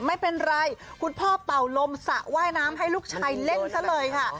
ไม่เป็นไรคุณพ่อเป่าลมสระว่ายน้ำให้ลูกชายเล่นซะเลยค่ะ